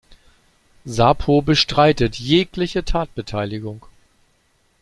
Sapo bestreitet jegliche Tatbeteiligung.